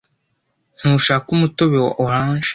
Ntushaka umutobe wa orange